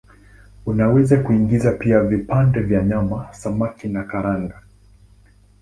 Unaweza kuingiza pia vipande vya nyama, samaki na karanga.